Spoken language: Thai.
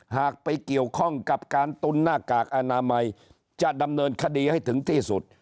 หากไปเกี่ยวข้องกับการตุนหน้ากากอนามัยจะดำเนินคดีให้ถึงที่สุด